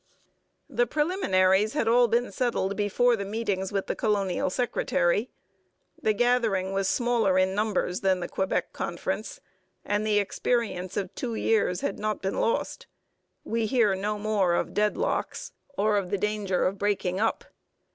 The preliminaries had all been settled before the meetings with the colonial secretary. The gathering was smaller in numbers than the Quebec Conference, and the experience of two years had not been lost. We hear no more of deadlocks or of the danger of breaking up.